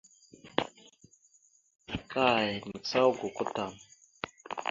Kay nagsáawak gokwa tam.